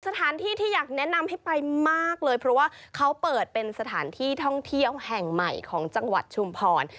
สถานที่ที่อยากแนะนำให้ไปมากเลยเพราะว่าเขาเปิดเป็นสถานที่ท่องเที่ยวแห่งใหม่ของจังหวัดชุมพร